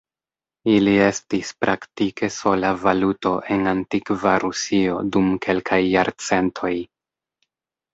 Ili estis praktike sola valuto en antikva Rusio dum kelkaj jarcentoj.